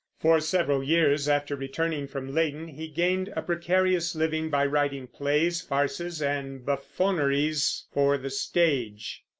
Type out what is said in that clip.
For several years after returning from Leyden he gained a precarious living by writing plays, farces, and buffoneries for the stage.